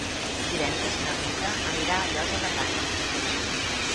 Divendres na Rita anirà a la Llosa de Ranes.